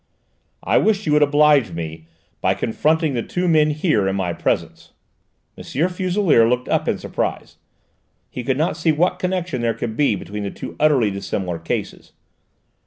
"I wish you would oblige me by confronting the two men here, in my presence." M. Fuselier looked up in surprise: he could not see what connection there could be between the two utterly dissimilar cases.